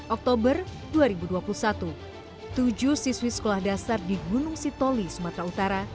oktober dua ribu dua puluh satu tujuh siswi sekolah dasar di gunung sitoli sumatera utara